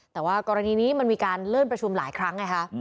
แต่ว่ากรณีนี้มันมีการเลื่อนประชุมหลายครั้งไงคะ